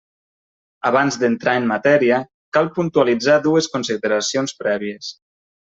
Abans d'entrar en matèria, cal puntualitzar dues consideracions prèvies.